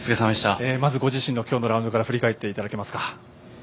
まずご自身の今日のラウンドから振り返っていただけますか。